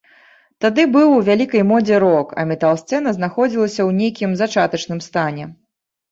Тады быў у вялікай модзе рок, а метал-сцэна знаходзілася ў нейкім зачатачным стане.